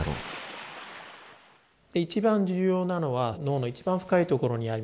一番重要なのは脳の一番深いところにあります